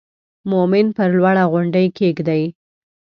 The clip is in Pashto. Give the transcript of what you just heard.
مومن پر لوړه غونډۍ کېږدئ.